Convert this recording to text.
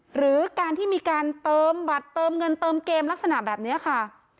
หรือการที่มีการเติมบัตรเติมเงินเติมเกมลักษณะแบบนี้ค่ะ